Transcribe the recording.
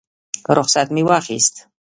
رخصت مو واخیست.